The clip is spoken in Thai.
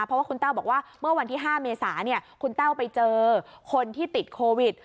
เพราะว่าคุณแต้วบอกว่าเมื่อวันที่๕เมษาคุณแต้วไปเจอคนที่ติดโควิด